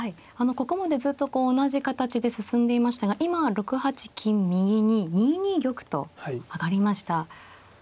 ここまでずっと同じ形で進んでいましたが今６八金右に２二玉と上がりました。